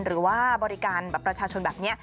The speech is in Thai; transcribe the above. หรือว่าบริการประชาชนแบบนี้